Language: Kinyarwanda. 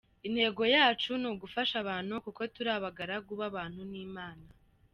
Intego yacu ni ugufasha abantu kuko turi abagaragu b’abantu n’Imana.